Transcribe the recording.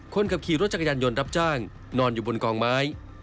คนขับขี่รถจักรยานยนต์รับจ้างนอนอยู่บนกองไม้